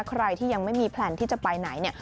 ใครที่ยังไม่มีแพลนที่จะไปไหนเนี่ย